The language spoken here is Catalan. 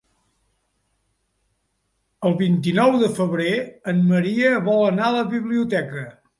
El vint-i-nou de febrer en Maria vol anar a la biblioteca.